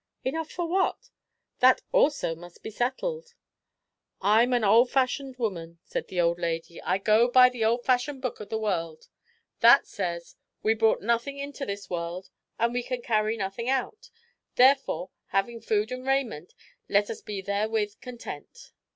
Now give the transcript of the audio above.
"Enough for what? That also must be settled." "I'm an old fashioned woman," said the old lady, "and I go by the old fashionedst book in the world. That says, 'we brought nothing into this world, and we can carry nothing out; therefore, having food and raiment, let us be therewith content.'"